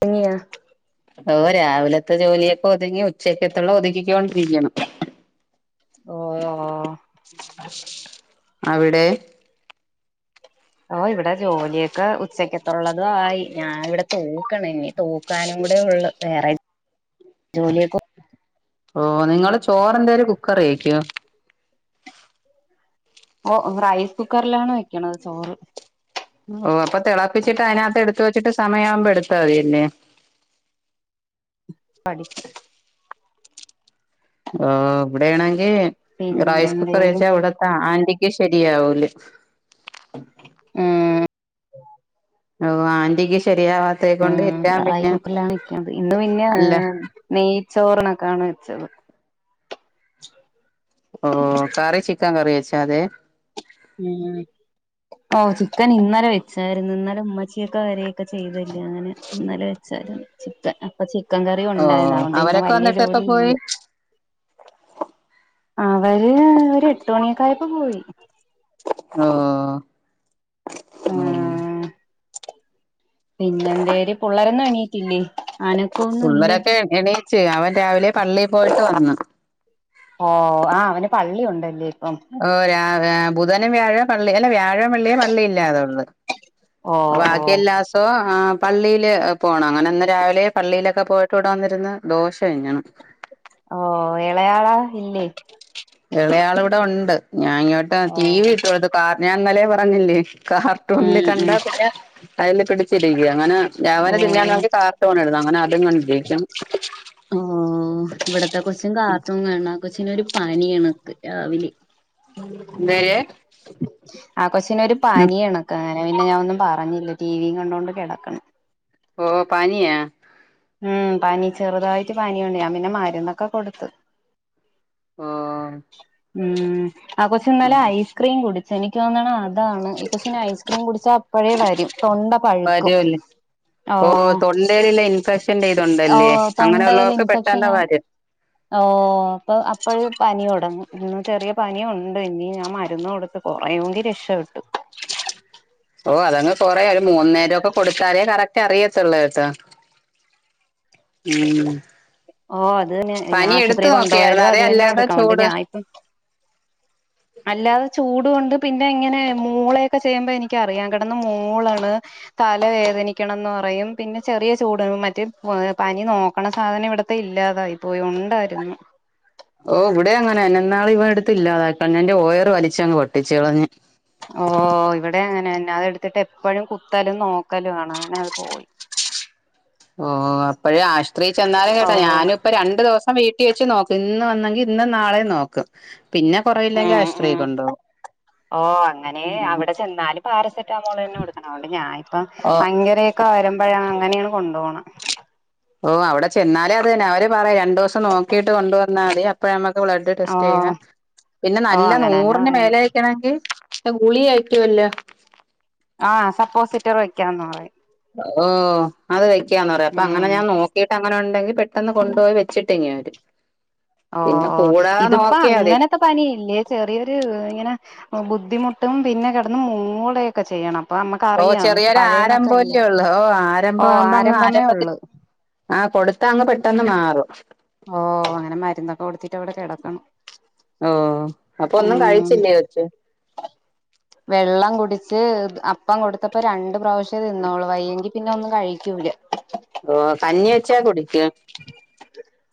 പനിയ ഓ രാവിലത്തെ ജോലിയൊക്കെ ഒതുങ്ങി ഉച്ചകത്തക്കുള്ള ഒതുക്കിക്കോണ്ടിരിക്കണു ഓ അവിടെ ഓഹ ഇവിടെ ജോലിയൊക്കെ ഉച്ചയ്ക്ക്. ള്ളതു ആയി ഞാൻ ഇവിടെ തൂക്കണ ഇനി തൂക്കാനും കൂടെ ഉള്ള വേറെ. ജോലിയൊക്ക. ഓഹ നിങ്ങള് ചോറന്തേലും കുക്കറി വെക്കോ. ഓഹ റൈസ് കുക്കറിലാണ് വെക്കണത് ചോറ്. ഓഹ അപ്പൊ തിളപ്പിച്ചിട്ട് അതിനകത്ത് എടുത്ത് വച്ചിട്ട് സമയമാവുമ്പോ എടുത്താ മതിയല്ലേ. പഠിക്ക ഇവിടെയാണെങ്കി പിന്നെ റൈസ് കുക്കർ എന്തേലും വേച്ചാ ഇവിടെത്ത ആന്റി. ക്ക് ശരിയാവൂല. ഉം ഓഹ ആന്റിക്ക് ശരിയാവാ ഉം റായിക്കൂക്കലാണ് വക്കുന്നത് ഇന്ന് പിന്നെ അല്ല നെയ്ച്ചോറിനൊക്കെയാണ് വെച്ചത് ഓഹ കറി ചിക്കൻ കറി വെച്ച അതെ ഉം ഓഹ ചിക്കൻ ഇന്നലെ വെച്ചായിരുന്നു ഇന്നലെ ഉമ്മച്ചിയൊക്കെ വര ഒക്കെ ചെയ്തല്ല അങ്ങനെ ഇന്നലെ വെച്ചാരുന്നു ചിക്കൻ അപ്പൊ ചിക്കൻ കറിയ ഓ ഉണ്ടായിരുന്നു അുകൊണ്ട് ഇന്ന അവരൊക്കെ വലിയ വന്നിട്ട് എപ്പ ജോലി പോയി ഇണ്ട് അവര് ഒരു എട്ട് മണിയൊക്കായപ്പോ പോയി ഓഹ ആഹ പിന്നെ എന്തര് പള്ളരൊന്നും എണീട്ടില്ലേ ആന ഉവ എണീച്ചു അവൻ രാവിലെ പള്ളിയിൽ പോയിട്ട് വന്നു ഓഹ ആഹ അവന് പള്ളി ഉണ്ടല്ലേ ഇപ്പം ഓഹ രാ ബുധനം വ്യാഴ പള്ളി അല്ല വ്യാഴ വെള്ളിയെ പള്ളിയില്ലാതെ ഉള്ളു ഓ ഓ [unintelligible] എല്ലാസവും ആഹ പള്ളിയില് പോകണം അങ്ങനെ ഒന്ന് രാവിലെ പള്ളിയിലൊക്കെ പോയിട്ട് ഇവിടെ വന്നിന്ന് ദോശ കഴിക്കണു ഓഹ ഇളയാള ഇല്ലേ ഇളയാള ഇവിടെ ഉണ്ട് ഞാൻ ഇങ്ങോട്ട് ഓ ടി വി ഇട്ട് കൊടുത്തു ഞാൻന്നലെ പറഞ്ഞില്ലേ കാർട്ടൂണില് ഉം കണ്ട ഉം പിന്നെ അതില് പിടിച്ചിരിക്കും അങ്ങനെ ഓ രഞവൻ തിന്നാണോങ്കി കാർട്ടൂണ് ഇടണം അങ്ങനെ അത് കണ്ടിരിക്കും ഓഹ ഇവിടത്തെ കൊച്ചും കാർട്ടൂണ് കാണ ആഹ കൊച്ചിനൊരു പനിയാണ് രാവിലെ [unintelligible] ആഹ കൊച്ചിനൊ ഒരു പനി എണക്ക് അങ്ങനെ പിന്നെ ഞാൻ ഒന്നും പറഞ്ഞില്ല ടിവിയും കണ്ടൊണ്ട് കിടക്കണം ഓഹ പാനിയാ ഉം പനി ചെറുതായിട്ട് പാനിയുണ്ട് ഞാൻ പിന്നെ മരുന്നൊക്കെ കൊടുത്ത ഓഹ ഉം ആഹ കൊച്ച ഇന്നലെ ഐസ്ക്രീം കുടിച്ച് എനിക്ക് തോന്നാണ് അത് ഇതാണ് ഈ കൊച്ചിനു ഐസ്ക്രീം കുടിച്ചാൽ അപ്പഴേ വരും തൊണ്ട പഴുക്കും ആഹ എന്തേല ഇൻഫെക്ഷൻ ചെയ്തുണ്ടല്ലേ അങ്ങനെ ഉുള്ളവർക്ക് പെട്ടന്ന് വരും ഓഹ അപ്പൊ അപ്പഴ പനി തുടങ്ങും ഇന്ന് ചെറിയ പനി ഉണ്ട് ഇനി ഞാൻ മരുന്ന് കൊടുക്ക കുറയൂങ്കി രക്ഷപെട്ടു ഓഹ അതങ് കുറേ ഒരു മൂന്ന നേരം ഒക്കെ കൊടുത്താലേ കറക് അറിയത്തുള്ള കേട്ടാ ഉം ഓഹ അത്ന്നെ ഞാൻ പനി എടുത്തു ആശുപത്രിയിൽ നോക്കിയായിരുന്നോ കൊണ്ടുപോയാലോ അതെ അത് തന്നെ അല്ലാതെ കൊടുക്കാം കൊണ്ട് ചൂട് ഞാൻ ഇപ്പം [inaudible] അല്ലാതെ ചൂട് കൊണ്ട് പിന്നെ ഇങ്ങനെ മൂളൊക്കെ ചെയ്യുമ്പോ എനക്ക് അറിയാം കിടന്ന് മോളാണ് തല വേദനിക്കണംന്ന് പറയും പിന്നെ ചെറിയ ചൂട് മറ്റേ പനി നോക്കണ സാധനം ഇവിടെ ഇല്ലാതായി പോയി ഉണ്ടായിരുന്നു ഓ ഇവിടെ അങ്ങനൊ എന്നാള ഇവടെടുത്തില്ലാതാക്ക എന്റെ യർ വലിച്ചങ് പട്ടിച്ച് കളഞ്ഞ് ഓ ഇവിടെ അങ്ങനെന്നെ അത എടുത്തിട്ട് എപ്പഴും കുത്തലും നോക്കലും ആണോ അങ്ങനെ അത് പോയി ഓ അപ്പോഴും ആശ്രയിച്ചെന്നാലും ഓ കേട്ടാ ഞാനും ഇപ്പ രണ്ടു ദിവസം ൻ വീട്ടിൽ വെച്ച് നോക്കും ഇന്ന് വന്നെങ്കിൽ ഇന്ന് നാളെ നോക്കും പിന്നെ ഉം കുറയില്ലെങ്കിൽ ഉം ആശുപത്രിൊക്കെണ്ടോകും ഓ അങ്ങനെ അവിടെ ചെന്നാല പാരസെറ്റാമോൾ തന്നെ കൊടുക്കണോണ്ട് ഞാൻ ഇപ്പ ഓ ഭയങ്കരൊക്കെ വരം അഴ അങ്ങനെയാണ് കൊണ്ടു പോണം ഓ അവിടെ ചെന്നാലേ അത് തന്നെ അവര് പറയാം രണ്ടു ദിവസം നോക്കിട്ട് കൊണ്ടുവന്നാൽ മതി അപ്പോഴ നമ്മുക്ക് ബ്ലഡ് ഓ ടെസ്റ്റ് ചെയ്യ പിന്നെ ഓ നല്ല അങ്ങനെ തന്നെ നൂറി പറയുന്ന മേല ണമെങ്കിൽ ഗുളിയിക്കുവല്ലോ ആഹ് സപ്പോസിറ്റർ വയ്ക്കാന്ന് പറയും ഓഹ് അത് കഴിക്കാന്ന് പറയാ അപ്പൊ അങ്ങനെ ഉം ഞാൻ നോക്കിട്ട് അങ്ങനെ ഉണ്ടെങ്കിൽ പെട്ടെന്ന് കൊണ്ടുപോയി വെച്ചിട്ട് ഇങ്ങ് വരും പിന്നെ കൂടാ നോക്കിയാൽ മതി ഇപ്പ പനിയില്ലേ ചെറിയൊരു ഇങ്ങനെ ബുദ്ധിമുട്ടും പിന്നെ കിടന്നും മൂളൊക്കെ ചെയ്യണം അപ്പൊ ഓ നമ്മക്കറിയാം ചെറിയൊരു പഴയണക്കല്ല ആരംഭമല്ലേ ഉള്ളു ഓ ഓ ആരംഭം ആവുമ്പോ അങ്ങ് ആരംഭമേ ആരംഭത്തി ഉള്ളു ആഹ് കൊടുത്ത അങ്ങ് പെട്ടെന്ന് മാറും ഓഹ് അങ്ങനെ മരുന്നൊക്കെ കൊടുത്തിട്ട് അവിടെ കിടക്കണം ഓ അപ്പൊ ഒന്നും ഉം കഴിച്ചില്ലേ കൊച്ച് വെള്ളം കുടിച്ച് അപ്പം കൊടുത്തപ്പോ രണ്ട് പ്രാവശ്യേ തിന്നോളൂ വയ്യെങ്കി പിന്നെ ഒന്നും കഴിക്കൂല്ല ഓ കഞ്ഞി വെച്ചാ കുടിക്കും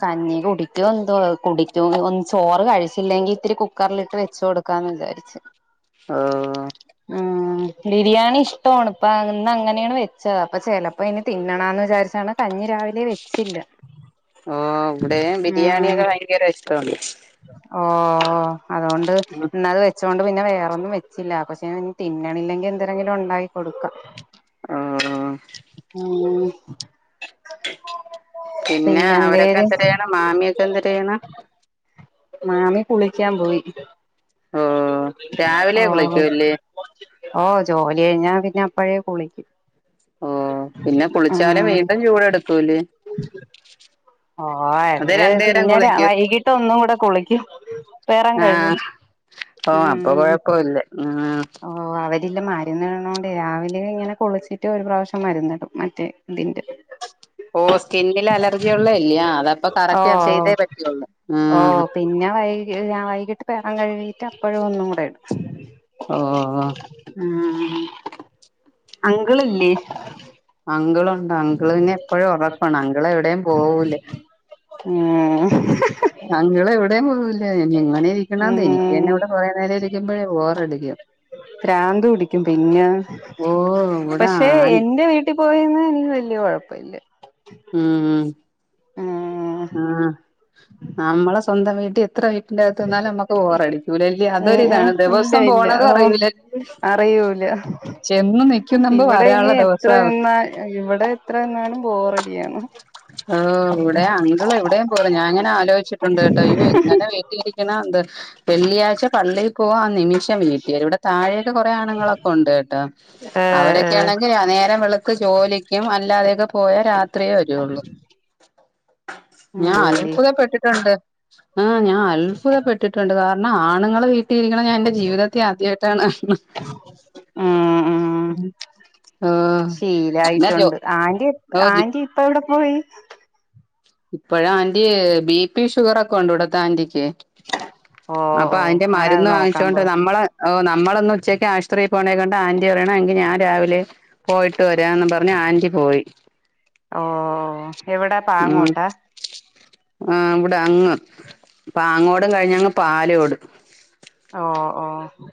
കഞ്ഞി കുടിക്കും എന്തോ കുടിക്കും ഒ ചോറ് കഴിച്ചില്ലെങ്കിൽ ഇത്തിരി കുക്കറിലിട്ട് വെച്ച കൊടു നക്കാന്ന് വിചാരിച്ചു ഓഹ് ബിരിയാണി ഇഷ്ടമാണ് ഇപ്പ അന്ന് അങ്ങനെയാണ് വെച്ചത് അപ്പ ചെിലപ്പോ ഇനി തിന്നണന്ന് വിചാരിച്ചാണ് കഞ്ഞി രാവിലെ വെച്ചില്ല ഓ ഇവിടെയും ഉം ബിരിയാണിയൊക്കെ ഭയങ്കര ഇഷ്ടമാണ് ഓ അതുകൊണ്ട് എന്നത് വെ വെച്ചൊണ്ട് പിന്നെ വേറൊന്നും വെച്ചില്ല പക്ഷെ തിന്നണില്ലെങ്കിൽ എന്തെരെങ്കിലും ഉണ്ടാക്കി കൊടുക്കാം ഓഹ് ഓഹ് ഉം പിന്നെ അവരൊക്കെ എന്തരെയാണ് മാമിയൊക്കെ എന്തര് ചെയ്യണ് മാമി കുളിക്കാൻ പോയി ഓ രാവിലെ ഓഹ് കുളിക്കൂല്ലേ ഓ ജോലി കഴിഞ്ഞാ പിന്നെ അപ്പഴേ കുളിക്കും ഓ പിന്നെ കുളിച്ചാല് ഉം വീണ്ടും ചൂട് എടുക്കൂലേ ഓ അത് പിന്നെ വൈകിട്ട് ഒന്നുകൂടെ കുളിക്കും പെറം കഴുകും ആഹ് ഓ അപ്പൊ ഉം കൊഴപ്പ ഇല്ല ഉം ഓ അവരിനി മരുന്നിടണോണ്ട് രാവിലെ ഇങ്ങനെ കുളിച്ചിട്ട് ഒരു പ്രാവശ്യം മരുന്നിടും മറ്റേ ഇതിന്റെ ഓഹ് സ്കിന്നില് അലർജി ഉള്ളല്ലയ അതപ്പൊ ഓ കറക്റ്റ് അത് ചെയ്തേ പറ്റുള്ളൂ ഓ ഉം പിന്നെ വൈക ഞാൻ വൈകിട്ട് പേറം കഴുകീട്ട് അപ്പഴും ഒന്നും കൂടെ ഇടും ഓഹ് ഉം അങ്കിളില്ലേ അങ്കിളുണ്ട് അങ്കിൾ പിന്നെ എപ്പോഴും ഉറക്കമാണ് അങ്കിൾ എവിടെയും പോവൂല ഉം അങ്കിൾ എവിടെയും പോവില്ല എങ്ങനെ ഇരിക്കണതേ എനിക്ക് ഉം തന്നെ ഇവിടെ കുറേ നേരം ഇരിക്കുമ്പഴേ ബോറടിക്കും ഭ്രാന്ത് പിടിക്കും പിന്നെ ഓ ഇവിടെ പക്ഷെ ആൻ എന്റെ വീ ട്ടി പോയി നിന്ന എനിക്ക് വല്യ കുഴപ്പമില്ല ഉം ഉം ഉം ആഹ് നമ്മള സ്വന്തം വീട്ടി എത്ര അകത്ത് നിന്നാലും നമ്മുക്ക് ബോർ അടിക്കൂല അല്ലേ ഉം അതൊരു ഉം ഇതാണ് ഇല്ല ദിവസം ഇല്ല ഓ പോണതറിയില്ല അറിയൂല ചെന്നു നി ഇവിടെ ഇനി എത്ര നിന്നാ ഇവിടെ എത്ര നിന്നാലും ബോറടിയാണ് ആഹ് ഇവിടെ അങ്കിൾ എവിടെയും പോവില്ല ഞാൻ ഇങ്ങനെ ആലോചിച്ചിട്ടുണ്ട് കേട്ടോ ഇത് എങ്ങനെ ഇരിക്കണ എന്തോ വെള്ളിയാഴ്ച പള്ളിയിൽ പോവാ ആ നിമിഷം വീട്ടിൽ വരും ഇവിടെ താഴെയൊക്കെ കുറെ ആണുങ്ങളൊക്കെ ഉണ്ട് കേട്ടോ ആഹ് അവരൊക്കെ ആഹ് ആണെങ്കിൽ നേരം വെളുത്ത് ജോലിക്കും അല്ലാതെയൊക്കെ പോയാൽ രാത്രിയേ വരുള്ളൂ ഞാൻ പോയില്ലേ അത്ഭുതപ്പെട്ടിട്ടുണ്ട് ആഹ് ഞാൻ അത്ഭുതപ്പെട്ടിട്ടുണ്ട് ആഹ് എന്ന ആണുങ്ങള് വീട്ടിൽ ഇരിക്കണത് ഞാൻ എന്റെ ജീവിതത്തിൽ ആദ്യമായിട്ടാണ് കാണുന്നത് ഉം ഉം ആഹ് [unintelligible] ഇപ്പം എവിടെ പോയി ഇപ്പഴ് ആന്റി ബി പി ഷുഗർ ഒക്കെ ഉണ്ട് ഇവിടത്തെ ആന്റിക്ക് ഓ അപ്പൊ ഓ അതിന്റെ ഞാനത് മരുന്ന് നോക്കാൻ വാങ്ങിച്ചൊണ്ട് പോയി നമ്മളെ ഓ നമ്മള് ഒന്ന് ഉച്ചയ്ക്ക് ആശുപത്രി പോണേ കൊണ്ട് ആന്റി പറയണെ എങ്കി ഞാൻ രാവിലെ പോയിട്ട് വരാന്ന് പറഞ്ഞ് ആന്റി പോയി ഓ എവിടാ പാങ്ങോട്ടാ ആഹ് ഇവിടെ അങ്ങ് പാങ്ങോട് കഴിഞ്ഞങ്ങ് പാലോട് ഓ ഓ ആഹ്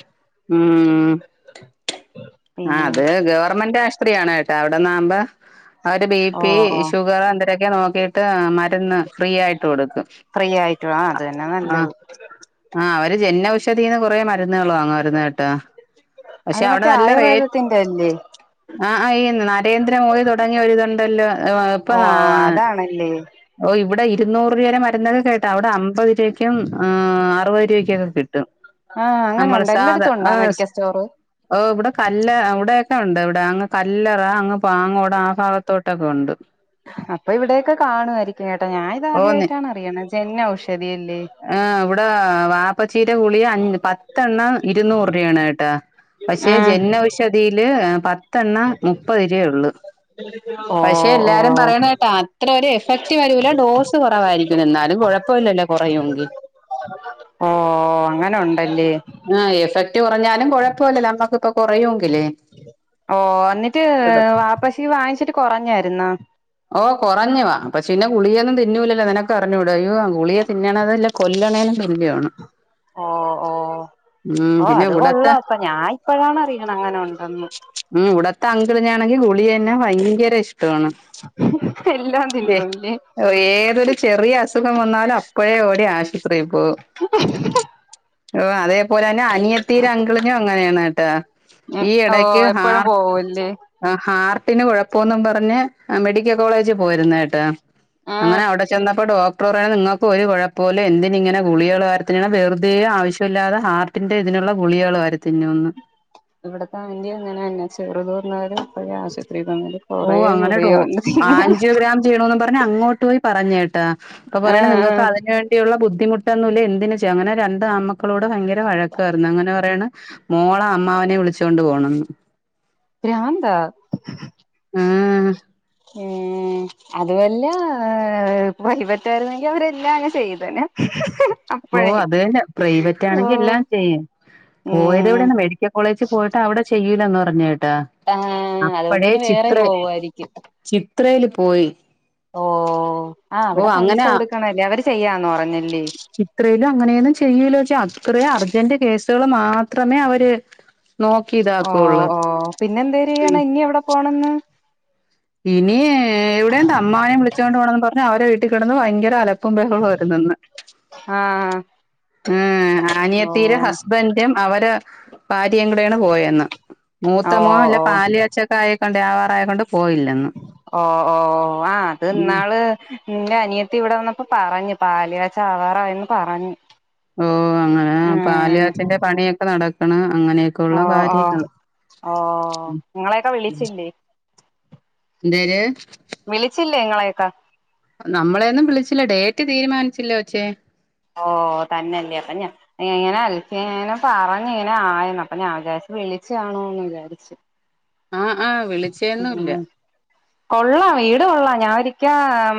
ഉം ആഹ് പിന്നെ അതെ അതെ ഗവൺമെന്റ് ആശുപത്രിയാണ് കേട്ടോ അവിടന്നാവുമ്പം അവര് ബി ഓ പി ഓ ഷുഗർ എന്തരൊക്കെ നോക്കിട്ട് മരുന്ന് ഫ്രീ ആയിട്ട് കൊടുക്കും ഫ്രീ ആയിട്ടുള്ള ആഹ് അത് തന്നയാ നല്ലത് ആഹ് അവര് ജനൗഷധീന്ന് കുറേ മരുന്നുകൾ വാങ്ങുവാരുന്ന് അവിടുന്ന കിട്ടുക അത് പക്ഷേ അവിടെ മറ്റേ നല്ല റേറ്റ് ആയുർവേദത്തിന്റെ അല്ലേ [unintelligible] നരേന്ദ്രമോദി തുടങ്ങിയ ഒരിതുണ്ടല്ലോ ഇപ്പൊ ഓ അതാണല്ലേ [unintelligible] ഓ ഇവിടെ ഇരുന്നൂറ് രൂപ വരെ മരുന്നൊക്കെ കേട്ടാ അവിടെ അമ്പത് [unintelligible] ആഹ് അറുപത് രൂപക്കൊക്കെ കിട്ടും ആഹ് അങ്ങനെ നമ്മള് ഉണ്ട് എല്ലായിടത്തും ഉണ്ടോ [unintelligible] മെഡിക്കൽ സ്റ്റോറ് ഓ ഇവിടെ കല്ല ഇവിടെക്കെ ഉണ്ട് ഇവിടെ അങ്ങ് കല്ലറ അങ്ങ് പാങ്ങോട് ആ ഭാഗത്തോട്ടൊക്കെ ഉണ്ട് അപ്പൊ ഇവിടെയൊക്കെ കാണുമായിരിക്കും കേട്ടോ ഞാൻ ഓ നി ഇതാദ്യമായിട്ടാണ് അറിയണത് ജനൗഷധിയല്ലേ ആഹ് ഇവിടെ വാ- പ്പച്ചിടെ ഗുളിക പത്തെണ്ണം ഇരുന്നൂറ് രൂപയാണ് കേട്ട പക്ഷെ ആഹ് ജനൗഷധി- തിയില് പത്തെണ്ണം മുപ്പത് രൂപയേ ഉള്ളൂ ഓ പക്ഷെ എല്ലാരും ഓ പറയണ കേട്ടാ അത്ര ഒരു എഫക്റ്റ് വരൂല്ല ഡോസ് കുറവായിരിക്കും എന്നാലും കുഴപ്പമില്ലല്ലോ കുറയുങ്കിൽ ഓഹ് അങ്ങനൊണ്ടല്ലേ ആ് എഫക്റ്റ് കൊറഞ്ഞാലും കുഴപ്പമല്ല നമ്മക്ക്‌പ്പൊ കുറയൂങ്കിലേ ഓ എന്നിട്ട് വാപ്പസി വാങ്ങിച്ചിട്ട് കൊറഞ്ഞായിര്ന്നാ ഓ കൊറഞ്ഞു പക്ഷേന്നെ ഗുളിയൊന്നും തിന്നൂലല്ലോ നിനക്കറി ഞ്ഞൂടേ യ്യോ ഗുളിക തിന്നണതല്ല കൊല്ലണേനു തുല്യവാണ്. ഓ ഉം പിന്നെവിടത്തെ പ്പ ഞാഇപ്പഴാണറിയണങ്ങനെ ഉണ്ടന്ന് ഉം ഇവിടത്തെ അങ്കിളിനാ ണെങ്കി ഗുളി തന്നെ ഭയങ്കര ഇഷ്ടമാണ് എല്ലാം തിന്നും ല്ലേ ഏതൊരു ചെറിയ അസുഖം വന്നാലും അപ്പഴേ ഓടി ആശ് ഓ അതേപോലെതന്നെ അനിയത്തീരങ്കിളിനും അങ്ങനെയാണ് കേട്ടാ ഉം ഈ എട ഓ എപ്പഴും പോവ്അല്ലേ ആ ഹാർട്ടിന് കുഴപ്പന്നും പറഞ്ഞ് മെഡിക്കൽ കോളേജ് പോയിരുന്നു കേട്ടാ ഉം അങ്ങനെ അവിടെ ചെന്നപ്പ ഡോക്ടർ പറയ നിങ്ങക്കൊരു കുഴപ്പോല്ല. എന്തിനിങ്ങനെ ഗുളികൾ വാരിത്തിന്ന്ണ വെറുതേ ആവശ്യമില്ലാതെ ഹാർ ട്ടിന്റെ ഇതിനുള്ള ഗുളികകള് വാരി തിന്നുന്ന് ഇവിടത്തെ ആന്റി അങ്ങനെതന്നെ ചെറുതൂർന്നവരും ആശുപരിയിൽ തന്നാലും ഓ അങ്ങനെഡോ ആഞ്ചിയോ ഗ്രാം ചെയ്യണന്നും പറഞ് അങ്ങോട്ട് പോയി പറഞ്ഞേട്ടാ അപ്പൊ പറയണ് ആഹ് നിങ്ങക്ക് ആഹ് അതിന് വേ- ണ്ടിയുള്ള ബുദ്ധിമുട്ടൊന്നുല്ല എന്തിന് ചെയ്യാം അങ്ങനെ രണ്ട് ആമ്മക്കളോടും ഭയങ്കര വഴക്കാ യിരുന്നു, അങ്ങന പറയണ് മോള അമ്മാവനെ വിളിച്ചോണ്ട് പോണംന്ന് ഭ്രാന്താ ഉം.. ഏഹ് അത് വല്ല പ്രൈവറ്റായിരുന്നെങ്കി അവരെല്ലാം അങ് ചെയ്തേനെ ഓ അപ്പഴേ അത് തന്നെ, ഓ പ്രൈവറ്റാണെങ്കി എല്ലാം ചെയ്യും. പോയത് ഉം എവിടേന്ന് മെഡിക്കൽ കോളേജ് പോയിട്ട് അവിടെ ചെയ്യൂലന്ന് പറഞ് കേട്ടാ ആഹ് അത്കൊണ്ട് അപ്പഴേ ഇനി വേറെ പോകുവായിരിക്കും ത്രയില് പോയി ഓഹ് ആഹ് ഓ അവിടെ പൈസ അങ്ങനെ കൊടുക്കണല്ലെ, അവര് ചെയ്യാന്ന് പറഞ്ഞല്ലേ ചിത്രേലും അങ്ങനെയൊന്നും ചെയ്യൂല പക്ഷെ അത്രേം അർജന്റ് കേസുകള് മാത്രമേ അവര് നോക്കിതാ ഓ ഓ പിന്നെന്തര്യ്യണം ഞ്ഞി എവിടെ പോണന്ന് പഇനി എവിടെ അമ്മാവനെയും വിളിച്ചോണ്ട് പോണംന്നും പറഞ്ഞ് അവരെ വി ട്ടി കെടന്ന് ഭയങ്കര അലപ്പും ഭഹളു ആയിരുന്നന്ന് ആഹ് ഉം ഓ ആനിയതീരെ ഹസ്ബൻ ന്റും അവരെ ഭാര്യയും കൂടെയാണ് പോയെന്ന്, ഓ മൂത്തമോ അല്ല ഓ പാല് കാച്ച ആയക്കൊണ്ട് ആവാറായക്കൊണ്ട് പോയില്ല ഓ ഓ ഓ ആഹ് അത് ഉം ന്നാള് ന്റെ അനിയത്തി ഇവിടെ വന്നപ്പോ പറഞ്ഞ്. പാല് കാച്ചാവാറായെന്ന് പറഞ്ഞ് ഓ അങ്ങനെ പാലാച്ചിന്റെ പണിയൊക്കെ നടക്കണ അങ്ങനെയെ ഓ ഓഹ് ഓഹ് ങ്ങളെയൊക്കെ വിളിച്ചില്ലേ എന്തേര് വിളിച്ചില്ലേ ങ്ങളെയൊക്ക നമ്മളെയൊന്നും വിളിച്ചില്ല, ഡേറ്റ് തീരുമാനിച്ചില്ലേ കൊച്ചേ ഓ തന്നെയല്ലേ അപ്പ ഞാൻ ഇങ്ങനെ അലച്ചങ്ങനെ പറഞ്ഞ ഇങ്ങനെ ആയന്ന് അപ്പൊ ഞാചാ വിളിച്ചാണോന്ന് വിചാരിച്ചു ആഹ് ആഹ് വിളിച്ചേന്നുംല്ല കൊള്ളാം വീട് കൊള്ളാം ഞാൻ ഒരിക്ക